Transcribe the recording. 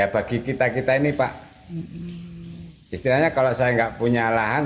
bagi kita kita ini pak istilahnya kalau saya nggak punya lahan